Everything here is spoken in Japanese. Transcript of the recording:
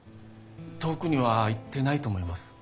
遠くには行ってないと思います。